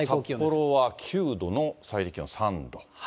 札幌は９度の、最低気温３度。